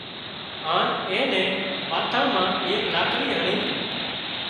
هانَ اين نين ماٿا مان ايڪ لاڪڙِي هڻي